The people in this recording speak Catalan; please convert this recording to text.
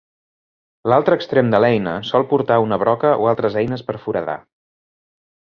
L'altre extrem de l'eina sol portar una broca o altres eines per foradar.